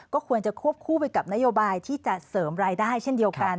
ก็ควรจะควบคู่ไปกับนโยบายที่จะเสริมรายได้เช่นเดียวกัน